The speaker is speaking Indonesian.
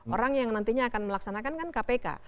orang yang nantinya akan melaksanakan kan kpk